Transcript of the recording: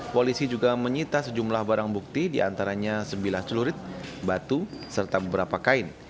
polisi juga menyita sejumlah barang bukti diantaranya sebilah celurit batu serta beberapa kain